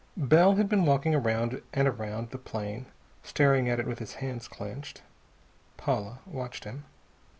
Bell had been walking around and around the plane, staring at it with his hands clenched. Paula watched him.